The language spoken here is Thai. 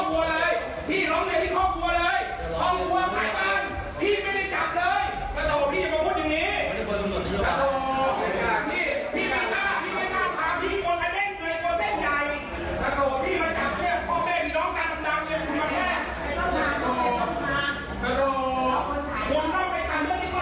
โว้ยยับหรอท่ะ